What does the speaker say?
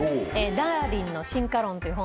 『ダーリンの進化論』という本。